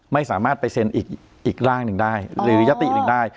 ไม่สามารถไปเซ็นอีกร่างหนึ่งได้หรือยติหนึ่งได้